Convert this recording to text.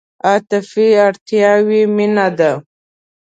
عاطفي اړتیاوې مینه ده.